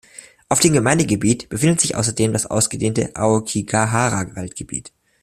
Auf dem Gemeindegebiet befindet sich außerdem das ausgedehnte Aokigahara-Waldgebiet.